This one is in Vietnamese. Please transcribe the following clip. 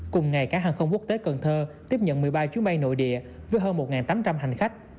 cùng ngày cảng hàng không quốc tế cần thơ tiếp nhận một mươi ba chuyến bay nội địa với hơn một tám trăm linh hành khách